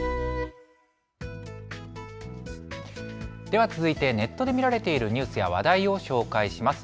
では続いてネットで見られている話題を紹介します。